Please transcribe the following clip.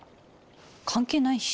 関係ないし。